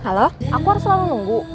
halo aku harus selalu nunggu